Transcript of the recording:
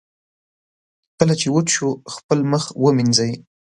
کله چې وچ شو، خپل مخ ومینځئ.